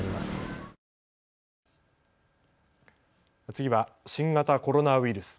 次は新型コロナウイルス。